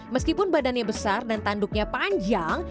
meskipun badannya besar dan tanduknya panjang